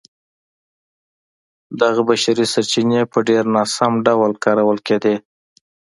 دغه بشري سرچینې په ډېر ناسم ډول کارول کېدې.